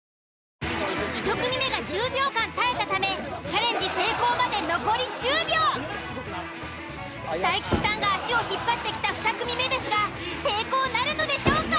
１組目が１０秒間耐えたため大吉さんが足を引っ張ってきた２組目ですが成功なるのでしょうか！？